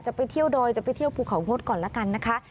ไปเที่ยวดอยจะไปเที่ยวภูเขามดก่อนละกันนะคะ